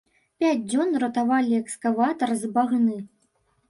Пяць дзён ратавалі экскаватар з багны.